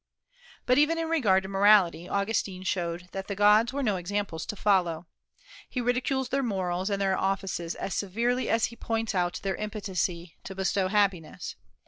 But even in regard to morality, Augustine showed that the gods were no examples to follow. He ridicules their morals and their offices as severely as he points out their impotency to bestow happiness.